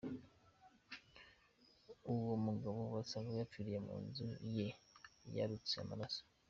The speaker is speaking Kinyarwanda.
Uwo mugabo basanze yapfiriye mu nzu ye yarutse amaraso.